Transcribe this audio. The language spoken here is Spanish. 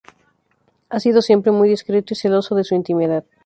Ha sido siempre muy discreto y celoso de su intimidad.